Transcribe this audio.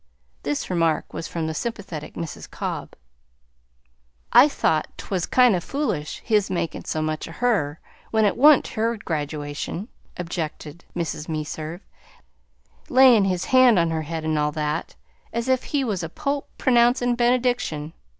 This remark was from the sympathetic Mrs. Cobb. "I thought 't was kind o' foolish, his makin' so much of her when it wan't her graduation," objected Mrs. Meserve; "layin' his hand on her head 'n' all that, as if he was a Pope pronouncin' benediction.